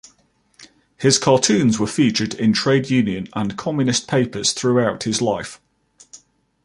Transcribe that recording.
His cartoons were featured in trade union and communist papers throughout his life.